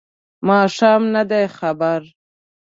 ماښام نه دی خبر